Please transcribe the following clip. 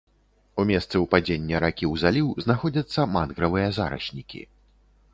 У месцы ўпадзення ракі ў заліў знаходзяцца мангравыя зараснікі.